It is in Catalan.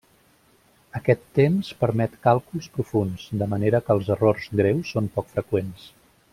Aquest temps permet càlculs profunds, de manera que els errors greus són poc freqüents.